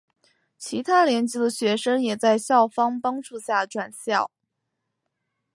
其他年级的学生也在校方帮助下转校。